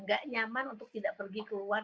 gak nyaman untuk tidak pergi keluar